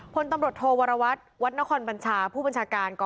ผลตำรวจโทวรวัตน์วัดนครบัญชาผู้บัญชาการกองบัญชาการตำรวจสืบสวนสอบสวน